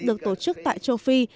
được tổ chức tại châu phi